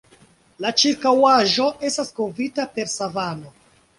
La ĉirkaŭaĵo estas kovrita per savano.